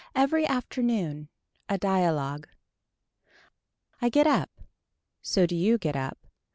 EVERY AFTERNOON A DIALOGUE I get up. So do you get up.